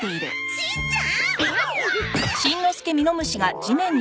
しんちゃん